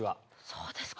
そうですか。